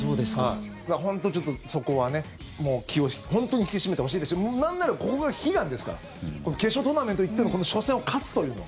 本当にそこは気を本当に引き締めてほしいですしなんならここが悲願ですからこの決勝トーナメントに行ってのこの初戦を勝つというのが。